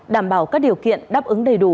đảm bảo các điều kiện đáp ứng đầy đủ